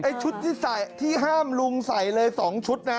ไอ้ชุดที่ห้ามลุงใส่เลย๒ชุดนะ